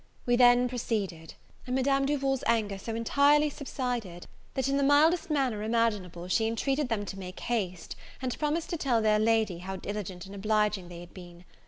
We then proceeded; and Madame Duval's anger so entirely subsided, that, in the mildest manner imaginable, she intreated them to make haste, and promised to tell their Lady how diligent and obliging they had been.